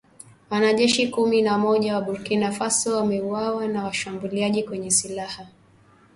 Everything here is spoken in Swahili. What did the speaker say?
Wanajeshi kumi na mmoja wa Burkina Faso wameuawa na washambuliaji wenye silaha